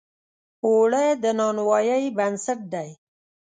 اوړه د نانوایۍ بنسټ دی